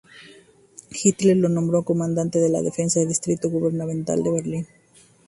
Hitler lo nombró comandante de la defensa del Distrito Gubernamental de Berlín.